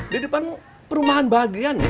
di depan perumahan bagian nih